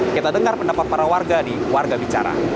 kita dengar pendapat para warga di warga bicara